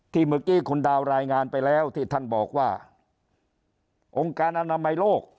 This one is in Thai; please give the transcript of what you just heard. เมื่อกี้คุณดาวรายงานไปแล้วที่ท่านบอกว่าองค์การอนามัยโลก